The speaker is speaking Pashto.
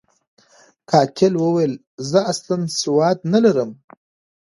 قاتل ویل، زه اصلاً سواد نلرم.